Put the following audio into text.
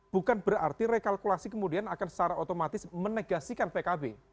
bukan berarti rekalkulasi kemudian akan secara otomatis menegasikan pkb